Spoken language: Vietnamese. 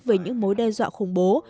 về những mối đe dọa khủng bố